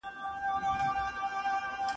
په یارانو چي یې زهر نوشوله ..